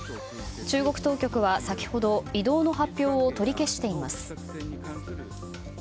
中国当局は先ほど移動の発表を取り消しています。